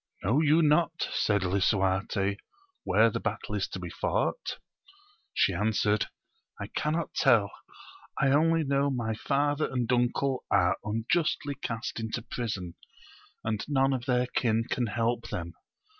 Know you not, said lisuarte, where the battle is to be fought ? She answered, I cannot tell : I only know my father and uncle are unjustly cast into prison, and none of their kin can help them.